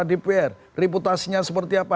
ketua dpr reputasinya seperti apa